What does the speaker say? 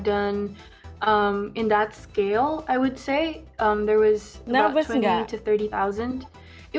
ada sekitar dua puluh tiga puluh orang yang menarik